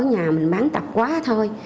ở nhà mình bán tập quá thôi